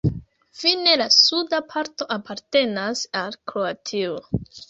Fine la suda parto apartenas al Kroatio.